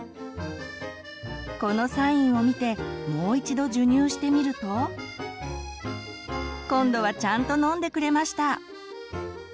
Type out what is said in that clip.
このサインを見てもう一度授乳してみると今度はちゃんと飲んでくれました！